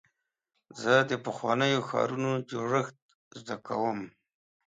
زه د پخوانیو ښارونو جوړښت زده کوم.